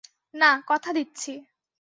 না, কথা দিচ্ছি।